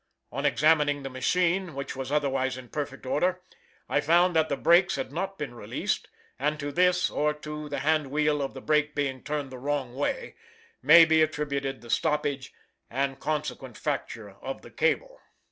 On examining the machine which was otherwise in perfect order I found that the brakes had not been released, and to this, or to the hand wheel of the brake being turned the wrong way, may be attributed the stoppage and consequent fracture of the cable.